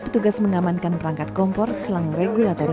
petugas mengamankan perangkat kompor selang regulator